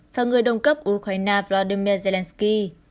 và người đồng cấp ukraine vladimir zelensky